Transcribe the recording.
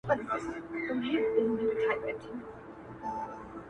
• یانې مرګ پسې مې ټول جهان را ووت ,